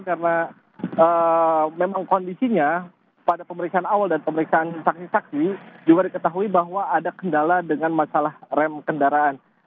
karena memang kondisinya pada pemeriksaan awal dan pemeriksaan saksi saksi juga diketahui bahwa ada kendala dengan masalah rem kendaraan